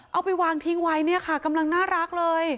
เอาไปวางทิ้งไว้เนี่ยค่ะกำลังน่ารักเลย